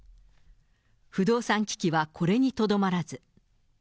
不動産危機はこれにとどまらず。